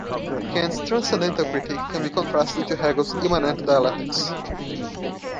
Kant's "transcendental" critique, can be contrasted to Hegel's "immanent dialectics.